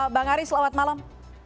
bang ari selamat malam